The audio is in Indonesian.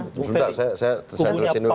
bentar saya tuliskan dulu